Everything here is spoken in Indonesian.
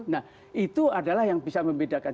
nah itu adalah yang bisa membedakan